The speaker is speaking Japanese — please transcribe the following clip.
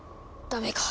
ダメか。